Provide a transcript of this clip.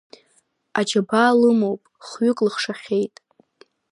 Аџьабаа лымоуп, хҩык лыхшахьеит.